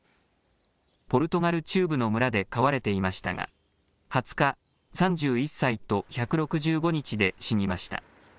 ポルトガル中部の村で飼われていましたが２０日、３１歳と１６５日で死にました。